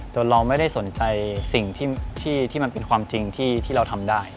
เราไม่ได้สนใจสิ่งที่มันเป็นความจริงที่เราทำได้